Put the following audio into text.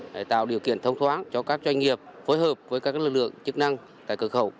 để tạo điều kiện thông thoáng cho các doanh nghiệp phối hợp với các lực lượng chức năng tại cửa khẩu